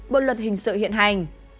bộ luật hình sự hiện hành